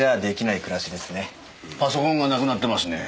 パソコンがなくなってますね。